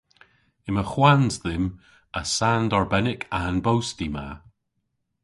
Yma hwans dhymm a sand arbennik a'n bosti ma.